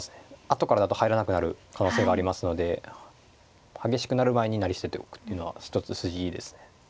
後からだと入らなくなる可能性がありますので激しくなる前に成り捨てておくっていうのは一つ筋いいですね。